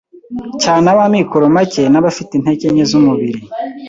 cyane ab’amikoro make n’abafite intege nke z’umubiri.